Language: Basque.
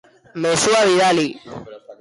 Mezua bidali.